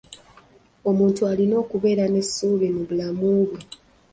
Omuntu alina okubeera n'essuubi mu bulamu bwe.